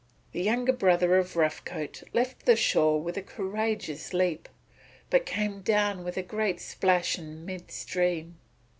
The younger brother of Rough Coat left the shore with a courageous leap, but came down with a great splash in mid stream.